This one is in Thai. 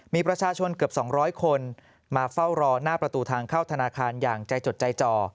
มีประชาชนเกือบ๒๐๐คนมาเฝ้ารอหน้าประตูทางเข้าธนาคารอย่างใจจดใจจ่อ